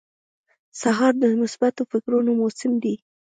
سهار د مثبتو فکرونو موسم دی.